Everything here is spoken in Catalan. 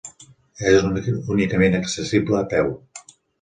És únicament accessible a peu.